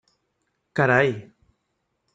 Carai!